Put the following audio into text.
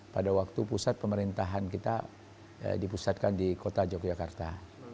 pada waktu pusat pemerintahan kita dipusatkan di kota yogyakarta